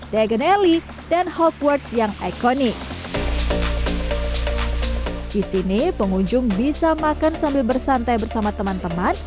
di sini pengunjung bisa makan sambil bersantai bersama teman teman